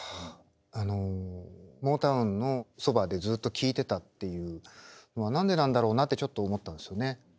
あのモータウンのそばでずっと聴いてたっていうのは何でなんだろうなってちょっと思ったんですよね。